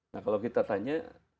nah kalau kita tanya